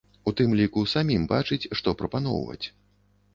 У тым ліку самім бачыць, што прапаноўваць.